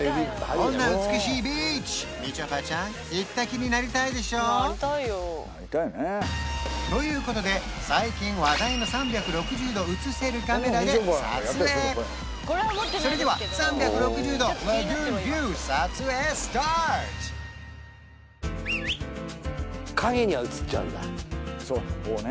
こんな美しいビーチみちょぱちゃん行った気になりたいでしょ？ということで最近話題の３６０度写せるカメラで撮影それでは影には映っちゃうんだそうね